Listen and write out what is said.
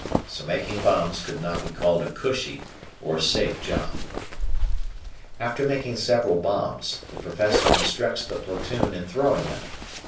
So making bombs could not be called a "cushy" or safe job. After making several bombs, the Professor instructs the platoon in throwing them.